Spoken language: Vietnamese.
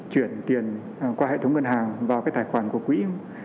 chuyển tiền qua hệ thống ngân hàng vào cái tài khoản của quỹ